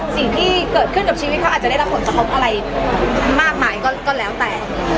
สิ่งที่เกิดขึ้นกับชีวิตเขาอาจจะได้รับผลกระทบอะไรมากมายก็แล้วแต่